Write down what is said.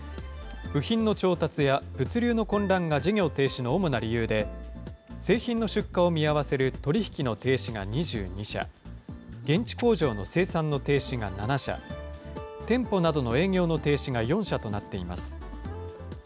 部品の調達や物流の混乱が事業停止の主な理由で、製品の出荷を見合わせる取り引きの停止が２２社、現地工場の生産の停止が７社、店舗などの営業の停止が４社となっています。